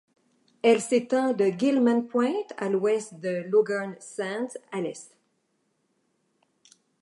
Elle s'étend de Gilman Point à l'ouest de Laugharne Sands à l'est.